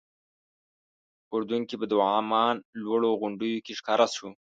اردن کې به د عمان لوړو غونډیو کې ښکاره شو.